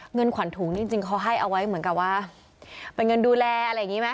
เงินขวัญถุงจริงเขาให้เอาไว้เหมือนกับว่าเป็นเงินดูแลอะไรอย่างนี้ไหม